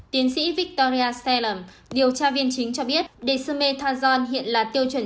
tiến sĩ victoria salem điều tra viên chính cho biết dexamethasone hiện là tiêu chuẩn